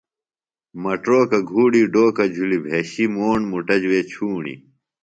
مٹروکہ گُھوڑی ڈوکہ جُھلیۡ بھیشیۡ موݨ مُٹہ وےۡ چھوݨی